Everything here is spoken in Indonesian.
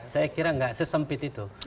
saya kira nggak sesempit itu